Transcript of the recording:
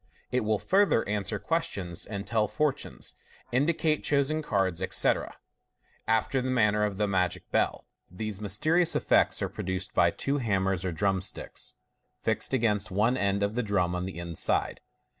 It will further answer questions and tell fortunes, indicate chosen cards, etc., after the man ner of the magic bell. These mysterious effects are produced by two hammers or drum sticks, fixed against one end of the drum on the inside.